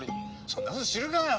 そんなこと知るかよ！